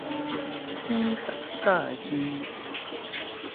披薩炸雞